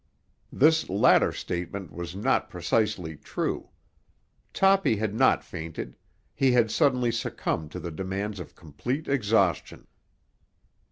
This latter statement was not precisely true. Toppy had not fainted; he had suddenly succumbed to the demands of complete exhaustion.